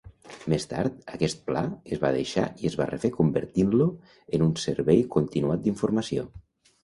Més tard, aquest pla es va deixar i es va refer convertint-lo en un servei continuat d'informació.